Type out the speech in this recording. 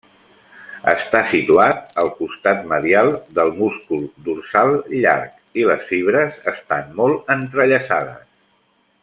Està situat al costat medial del múscul dorsal llarg, i les fibres estant molt entrellaçades.